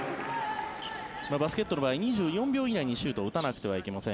バスケットの場合、２４秒以内にシュートを打たなければいけません。